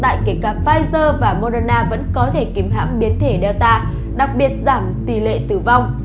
tại kể cả pfizer và moderna vẫn có thể kìm hãm biến thể data đặc biệt giảm tỷ lệ tử vong